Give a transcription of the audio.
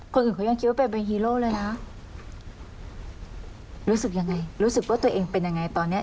คนอื่นเขายังคิดว่าเป็นฮีโร่เลยนะรู้สึกยังไงรู้สึกว่าตัวเองเป็นยังไงตอนเนี้ย